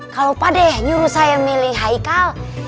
kalau pak deh nyuruh saya milih haikal